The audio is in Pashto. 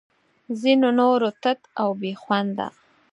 ځینو نورو تت او بې خونده